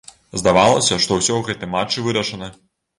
Здавалася, што ўсё ў гэтым матчы вырашана.